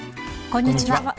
こんにちは。